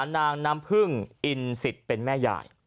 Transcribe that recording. นางน้ำพึ่งอินสิทธิ์เป็นแม่ยาย